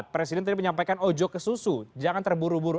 presiden tadi menyampaikan ojo ke susu jangan terburu buru